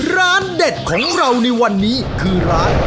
ร้านเด็ดของเราในวันนี้คือร้าน